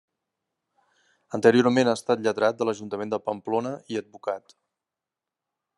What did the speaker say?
Anteriorment ha estat lletrat de l'Ajuntament de Pamplona i advocat.